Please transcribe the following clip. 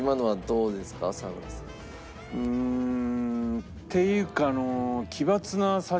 うーん。っていうか。